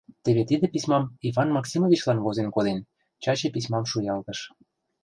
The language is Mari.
Теве тиде письмам Иван Максимовичлан возен коден, — Чачи письмам шуялтыш.